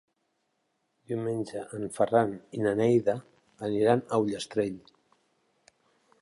Diumenge en Ferran i na Neida aniran a Ullastrell.